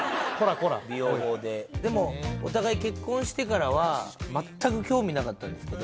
こら美容法ででもお互い結婚してからは全く興味なかったんですけど